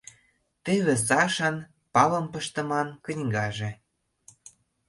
Теве Сашан палым пыштыман книгаже.